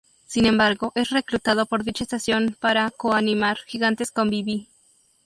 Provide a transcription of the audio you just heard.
Sin embargo, es reclutado por dicha estación para co-animar "Gigantes con Vivi".